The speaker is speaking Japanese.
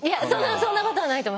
そんなことはないと。